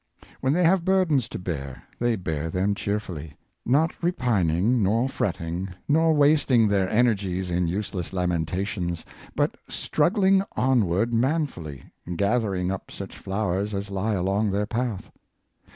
When they have burdens to bear, they bear them cheerfully — not repining, nor fretting, nor wasting their energies in use less lamentations, but struggling onward manfully, gathering up such flowers as lie along their path.